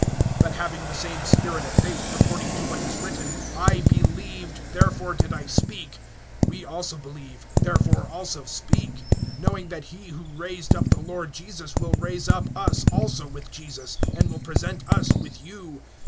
(13)But having the same spirit of faith, according to what is written, I believed, therefore did I speak, we also believe, therefore also speak; (14)knowing that he who raised up the Lord Jesus will raise up us also with Jesus, and will present us with you.